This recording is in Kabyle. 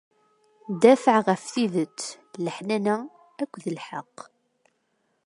Dafeɛ ɣef tidet, leḥnana akked lḥeqq!